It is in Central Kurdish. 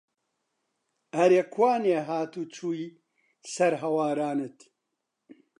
ئەرێ کوانێ هات و چووی سەر هەوارانت